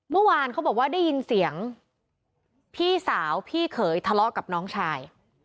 เมื่อวานเขาบอกว่าได้ยินเสียงพี่สาวพี่เขยทะเลาะกับน้องชาย